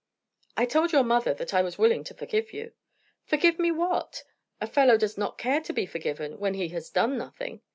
"I told your mother that I was willing to forgive you." "Forgive me what? A fellow does not care to be forgiven when he has done nothing.